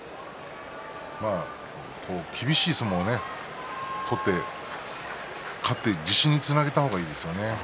厳しい相撲を取って勝って自信につなげた方がいいですよね。